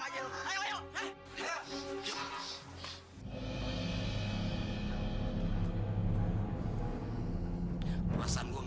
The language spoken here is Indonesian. kita digugur sama pos